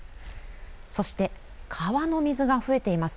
そして川の水が増えています。